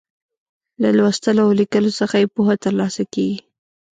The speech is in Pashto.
له لوستلو او ليکلو څخه يې پوهه تر لاسه کیږي.